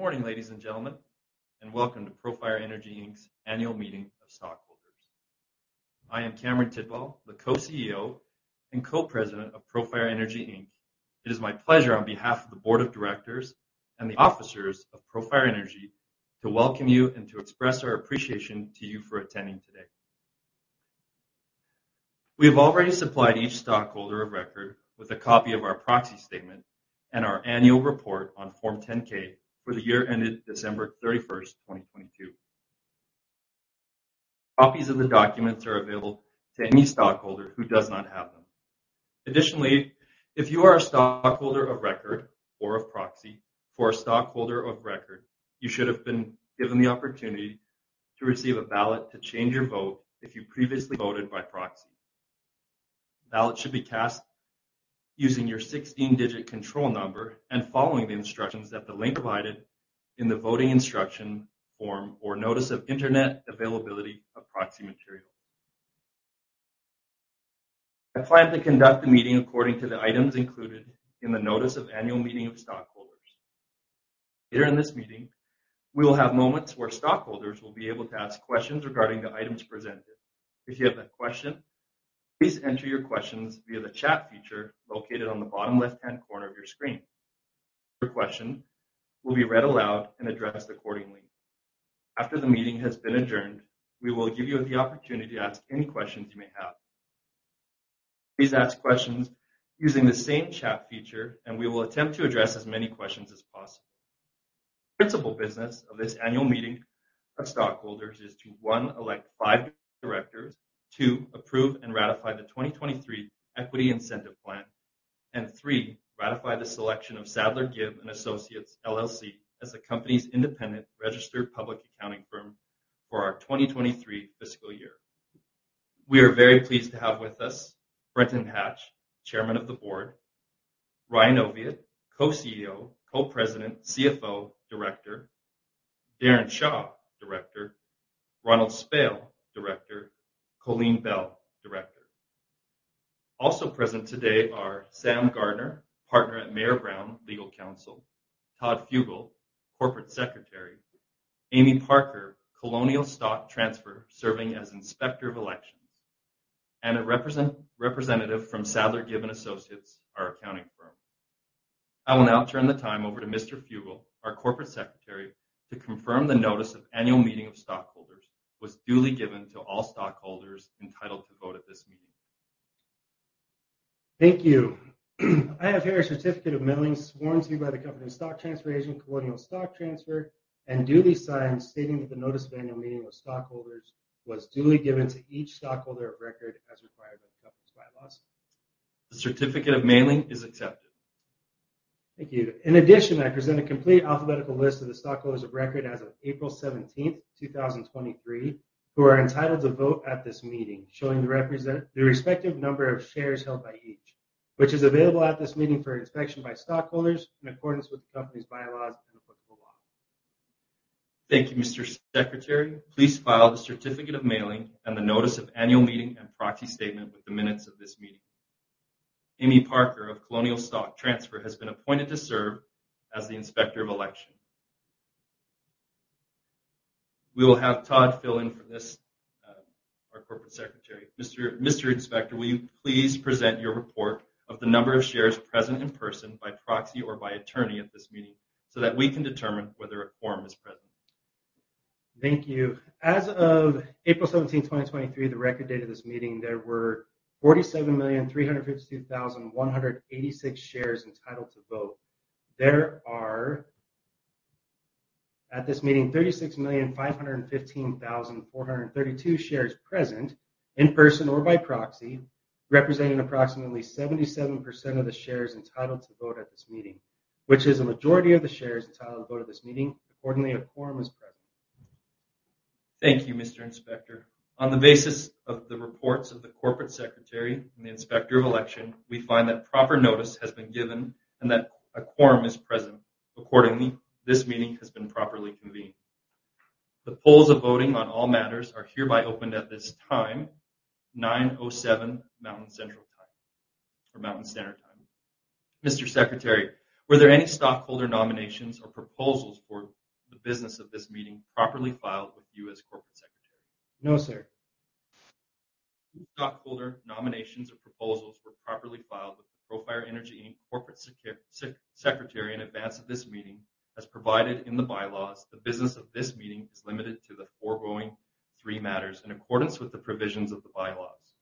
Good morning, ladies and gentlemen, welcome to Profire Energy, Inc.'s Annual Meeting of Stockholders. I am Cameron M. Tidball, the Co-CEO and Co-President of Profire Energy, Inc. It is my pleasure on behalf of the Board of Directors and the officers of Profire Energy to welcome you and to express our appreciation to you for attending today. We have already supplied each stockholder of record with a copy of our proxy statement and our annual report on Form 10-K for the year ended December 31st, 2022. Copies of the documents are available to any stockholder who does not have them. If you are a stockholder of record or a proxy for a stockholder of record, you should have been given the opportunity to receive a ballot to change your vote if you previously voted by proxy. Ballot should be cast using your 16-digit control number and following the instructions at the link provided in the voting instruction form or notice of internet availability of proxy material. I plan to conduct the meeting according to the items included in the notice of annual meeting of stockholders. Later in this meeting, we will have moments where stockholders will be able to ask questions regarding the items presented. If you have a question, please enter your questions via the chat feature located on the bottom left-hand corner of your screen. Your question will be read aloud and addressed accordingly. After the meeting has been adjourned, we will give you the opportunity to ask any questions you may have. Please ask questions using the same chat feature. We will attempt to address as many questions as possible. Principal business of this annual meeting of stockholders is to, 1, elect 5 directors, 2, approve and ratify the 2023 Equity Incentive Plan, N-3, ratify the selection of Sadler, Gibb & Associates, LLC, as the company's independent registered public accounting firm for our 2023 fiscal year. We are very pleased to have with us Brenton Hatch, Chairman of the Board, Ryan W. Oviatt, Co-CEO, Co-President, CFO, Director, Daren Shaw, Director, Ronald Spoehel, Director, Colleen Bell, Director. Also present today are Sam Gardiner, Partner at Mayer Brown, legal counsel, Todd Fugal, Corporate Secretary, Amy Parker, Colonial Stock Transfer, serving as Inspector of Elections, a representative from Sadler, Gibb & Associates, our accounting firm. I will now turn the time over to Mr. Fugal, our Corporate Secretary, to confirm the notice of annual meeting of stockholders, was duly given to all stockholders entitled to vote at this meeting. Thank you. I have here a certificate of mailing sworn to by the company's stock transfer agent, Colonial Stock Transfer, and duly signed, stating that the notice of annual meeting with stockholders was duly given to each stockholder of record, as required by the company's bylaws. The certificate of mailing is accepted. Thank you. In addition, I present a complete alphabetical list of the stockholders of record as of April 17th, 2023, who are entitled to vote at this meeting, showing the respective number of shares held by each, which is available at this meeting for inspection by stockholders in accordance with the company's bylaws and applicable law. Thank you, Mr. Secretary. Please file the certificate of mailing and the notice of annual meeting and proxy statement with the minutes of this meeting. Amy Parker of Colonial Stock Transfer has been appointed to serve as the Inspector of Election. We will have Todd fill in for this, our corporate secretary. Mr. Inspector, will you please present your report of the number of shares present in person, by proxy, or by attorney at this meeting so that we can determine whether a quorum is present? Thank you. As of April 17th, 2023, the record date of this meeting, there were 47,352,186 shares entitled to vote. There are... at this meeting, 36,515,432 shares present in person or by proxy, representing approximately 77% of the shares entitled to vote at this meeting, which is a majority of the shares entitled to vote at this meeting. Accordingly, a quorum is present. Thank you, Mr. Inspector. On the basis of the reports of the corporate secretary and the Inspector of Election, we find that proper notice has been given and that a quorum is present. Accordingly, this meeting has been properly convened. The polls of voting on all matters are hereby opened at this time, 9:07 A.M. Mountain Central Time or Mountain Standard Time. Mr. Secretary, were there any stockholder nominations or proposals for the business of this meeting properly filed with you as corporate secretary? No, sir. Stockholder nominations or proposals were properly filed with the Profire Energy, Inc. Corporate Secretary in advance of this meeting, as provided in the bylaws. The business of this meeting is limited to the foregoing three matters in accordance with the provisions of the bylaws.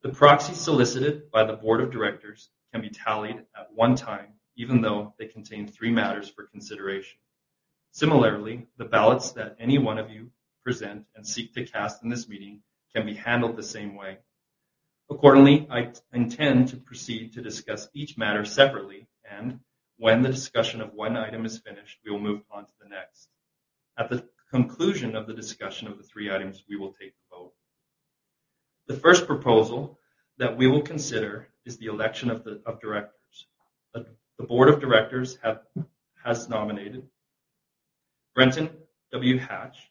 The proxy solicited by the board of directors can be tallied at one time, even though they contain three matters for consideration. Similarly, the ballots that any one of you present and seek to cast in this meeting can be handled the same way. Accordingly, I intend to proceed to discuss each matter separately, and when the discussion of one item is finished, we will move on to the next. At the conclusion of the discussion of the three items, we will take the vote. The first proposal that we will consider is the election of the, of directors. The board of directors has nominated Brenton W. Hatch,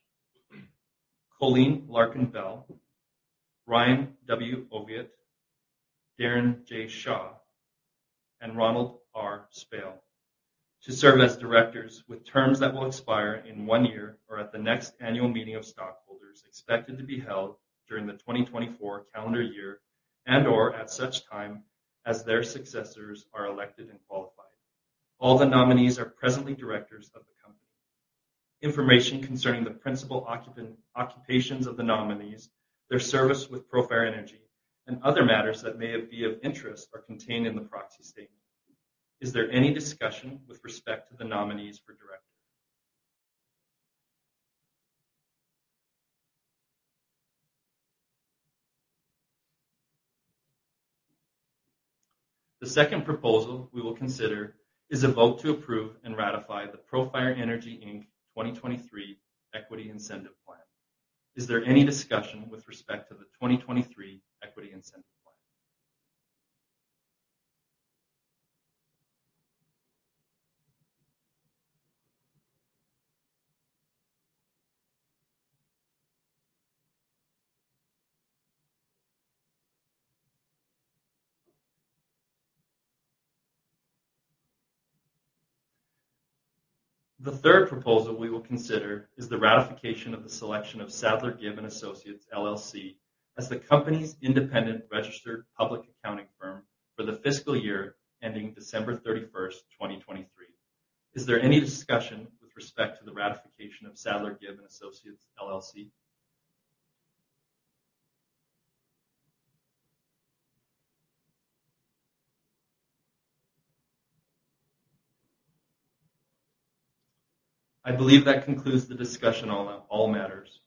Colleen Larkin Bell, Ryan W. Oviatt, Daren J. Shaw, and Ronald R. Spoehel to serve as directors with terms that will expire in one year or at the next annual meeting of stockholders, expected to be held during the 2024 calendar year and/or at such time as their successors are elected and qualified. All the nominees are presently directors of the company. Information concerning the principal occupations of the nominees, their service with Profire Energy, and other matters that may be of interest are contained in the proxy statement. Is there any discussion with respect to the nominees for director? The second proposal we will consider is a vote to approve and ratify the Profire Energy, Inc. 2023 Equity Incentive Plan. Is there any discussion with respect to the 2023 Equity Incentive Plan? The third proposal we will consider is the ratification of the selection of Sadler, Gibb & Associates, LLC as the company's independent registered public accounting firm for the fiscal year ending December 31, 2023. Is there any discussion with respect to the ratification of Sadler, Gibb & Associates, LLC? I believe that concludes the discussion on all matters.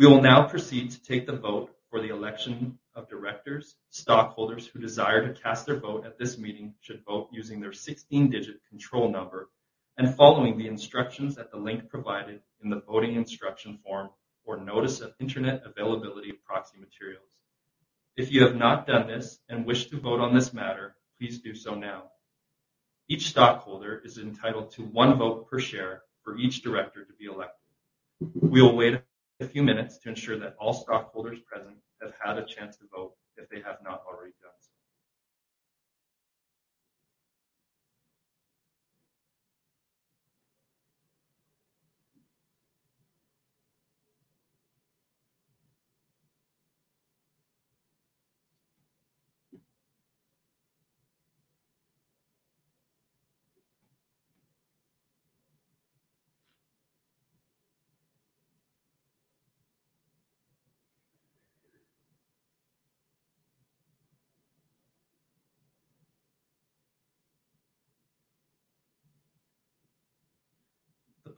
We will now proceed to take the vote for the election of directors. Stockholders who desire to cast their vote at this meeting should vote using their 16-digit control number and following the instructions at the link provided in the voting instruction form or notice of Internet availability of proxy materials. If you have not done this and wish to vote on this matter, please do so now. Each stockholder is entitled to one vote per share for each director to be elected. We will wait a few minutes to ensure that all stockholders present have had a chance to vote if they have not already done so.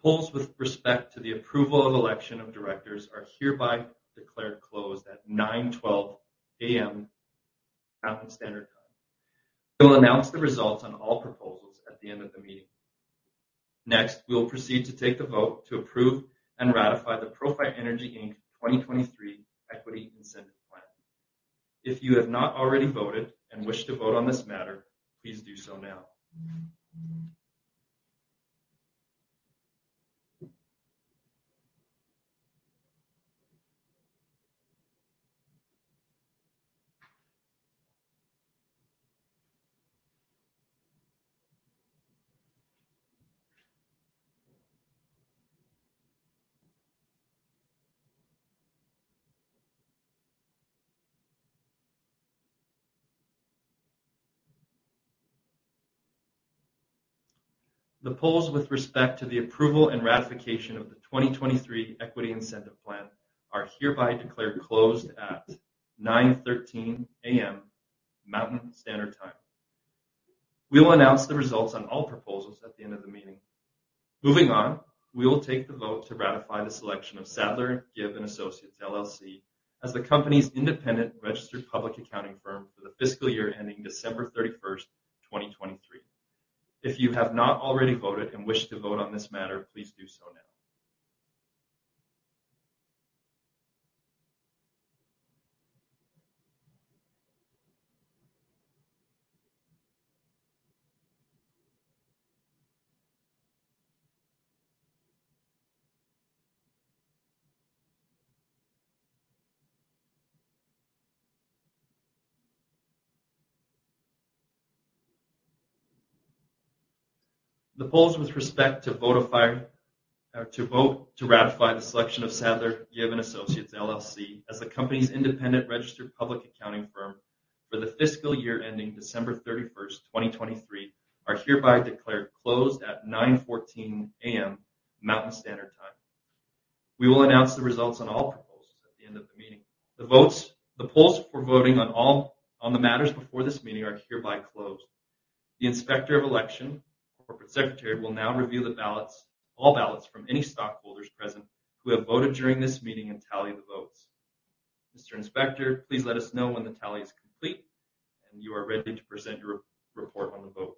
The polls with respect to the approval of election of directors are hereby declared closed at 9:12 A.M. Mountain Standard Time. We'll announce the results on all proposals at the end of the meeting. Next, we will proceed to take the vote to approve and ratify the Profire Energy, Inc. 2023 Equity Incentive Plan. If you have not already voted and wish to vote on this matter, please do so now. The polls with respect to the approval and ratification of the 2023 Equity Incentive Plan are hereby declared closed at 9:13 A.M. Mountain Standard Time. We will announce the results on all proposals at the end of the meeting. Moving on, we will take the vote to ratify the selection of Sadler, Gibb & Associates, LLC, as the company's independent registered public accounting firm for the fiscal year ending December 31st, 2023. If you have not already voted and wish to vote on this matter, please do so now. The polls with respect to to vote to ratify the selection of Sadler, Gibb & Associates, LLC, as the company's independent registered public accounting firm for the fiscal year ending December 31st, 2023, are hereby declared closed at 9:14 A.M. Mountain Standard Time. We will announce the results on all proposals at the end of the meeting. The polls for voting on all on the matters before this meeting are hereby closed. The Inspector of Election or Corporate Secretary will now review the ballots, all ballots from any stockholders present who have voted during this meeting and tally the votes. Mr. Inspector, please let us know when the tally is complete, and you are ready to present your report on the vote.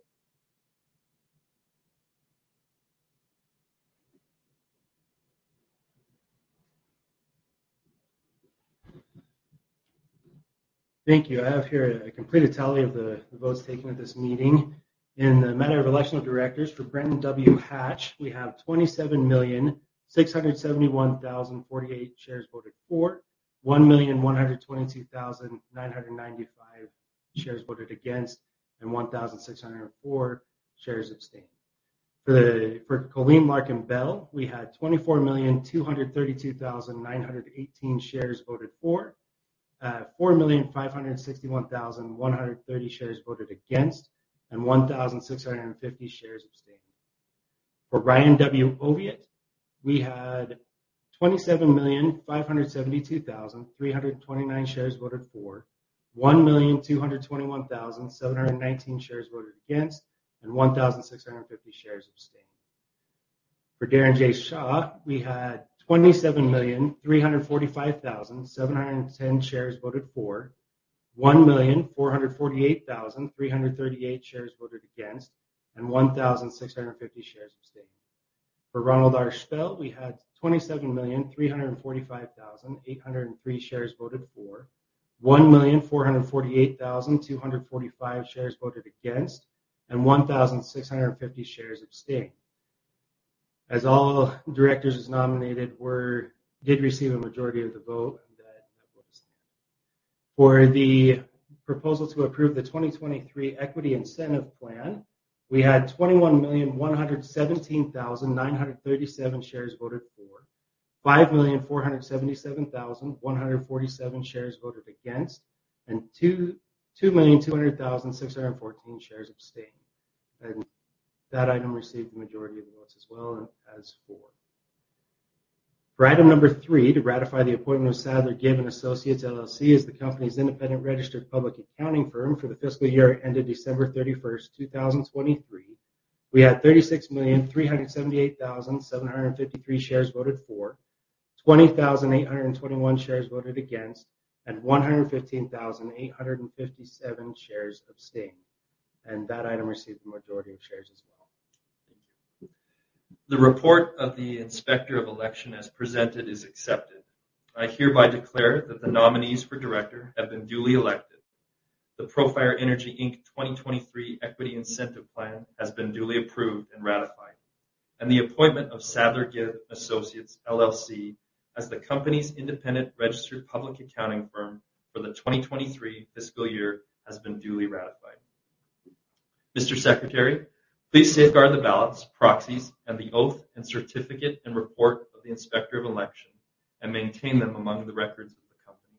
Thank you. I have here a completed tally of the votes taken at this meeting. In the matter of election of directors for Brenton W. Hatch, we have 27,671,048 shares voted for, 1,122,995 shares voted against, and 1,604 shares abstained. For Colleen Larkin Bell, we had 24,232,918 shares voted for, 4,561,130 shares voted against, and 1,650 shares abstained. For Ryan W. Oviatt, we had 27,572,329 shares voted for, 1,221,719 shares voted against, and 1,650 shares abstained. For Daren J. Shaw, we had 27,345,710 shares voted for, 1,448,338 shares voted against, and 1,650 shares abstained. For Ronald R. Spoehel, we had 27,345,803 shares voted for, 1,448,245 shares voted against, and 1,650 shares abstained. As all directors as nominated did receive a majority of the vote, and that was it. For the proposal to approve the 2023 Equity Incentive Plan, we had 21,117,937 shares voted for, 5,477,147 shares voted against, and 2,200,614 shares abstained. That item received the majority of the votes as well. For item number three, to ratify the appointment of Sadler, Gibb & Associates, LLC, as the company's independent registered public accounting firm for the fiscal year ended December 31, 2023. We had 36,378,753 shares voted for, 20,821 shares voted against, and 115,857 shares abstained, and that item received the majority of shares as well. Thank you. The report of the Inspector of Election, as presented, is accepted. I hereby declare that the nominees for director have been duly elected. The Profire Energy, Inc. 2023 Equity Incentive Plan has been duly approved and ratified, and the appointment of Sadler, Gibb & Associates, LLC, as the company's independent registered public accounting firm for the 2023 fiscal year, has been duly ratified. Mr. Secretary, please safeguard the ballots, proxies, and the oath and certificate and report of the Inspector of Election and maintain them among the records of the company.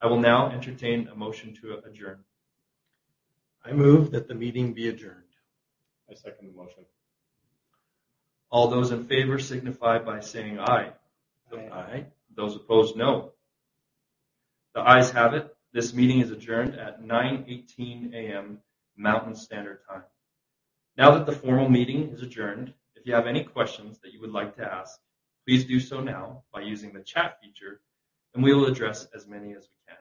I will now entertain a motion to adjourn. I move that the meeting be adjourned. I second the motion. All those in favor signify by saying aye. Aye. Those opposed, no. The ayes have it. This meeting is adjourned at 9:18 A.M. Mountain Standard Time. Now that the formal meeting is adjourned, if you have any questions that you would like to ask, please do so now by using the chat feature, and we will address as many as we can